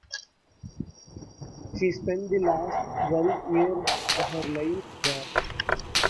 She spent the last twelve years of her life there.